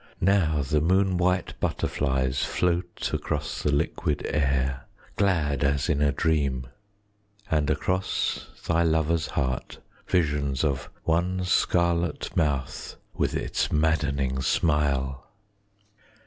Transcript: Now the moon white butterflies Float across the liquid air, Glad as in a dream; And, across thy lover's heart, 10 Visions of one scarlet mouth With its maddening smile.